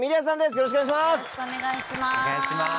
よろしくお願いします。